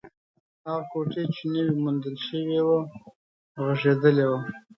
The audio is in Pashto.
هغه کوټې چې نوې موندل شوې وه، غږېدلې وه.